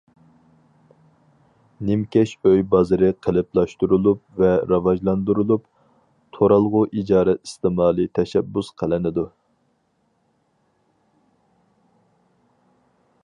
نىمكەش ئۆي بازىرى قېلىپلاشتۇرۇلۇپ ۋە راۋاجلاندۇرۇلۇپ، تۇرالغۇ ئىجارە ئىستېمالى تەشەببۇس قىلىنىدۇ.